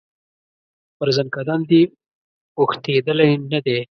پر زکندن دي پوښتېدلی نه دی